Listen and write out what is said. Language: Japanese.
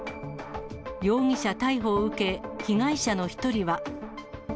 容疑者逮捕を受け、被害者の１人は。